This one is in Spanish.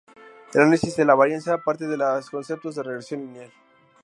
El análisis de la varianza parte de los conceptos de regresión lineal.